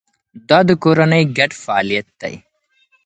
دا د کورنۍ ګډ فعالیت دی.